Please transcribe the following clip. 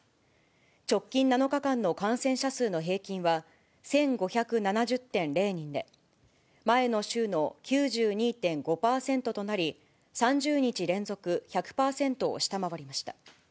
直近７日間の感染者数の平均は、１５７０．０人で、前の週の９２．５％となり、３０日連続１００％を下回りました。